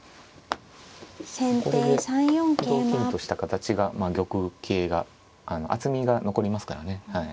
これで同金とした形が玉形が厚みが残りますからね。